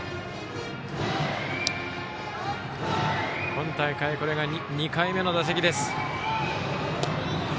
今大会、これが２回目の打席です。